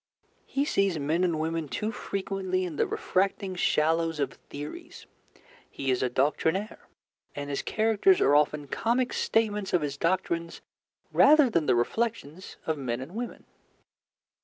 He sees men and women too frequently in the refracting shallows of theories. He is a doctrinaire, and his characters are often comic statements of his doctrines rather than the reflections of men and women.